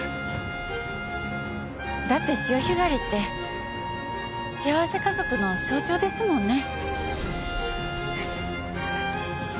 だって潮干狩りって幸せ家族の象徴ですもんね。